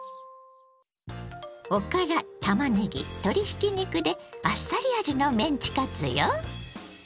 おからたまねぎ鶏ひき肉であっさり味のメンチカツよ。